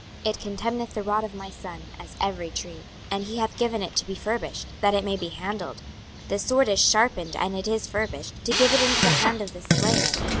it contemneth the rod of my son, as every tree. 26:021:011 And he hath given it to be furbished, that it may be handled: this sword is sharpened, and it is furbished, to give it into the hand of the slayer.